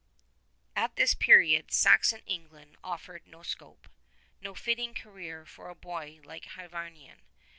At this period Saxon England offered no scope, no fitting career for a boy like Hyvarnion.